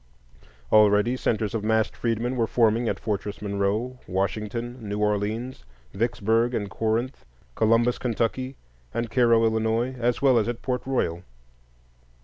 Already centres of massed freedmen were forming at Fortress Monroe, Washington, New Orleans, Vicksburg and Corinth, Columbus, Ky., and Cairo, Ill., as well as at Port Royal.